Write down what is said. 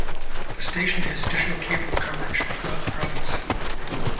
The station has additional cable coverage throughout the province.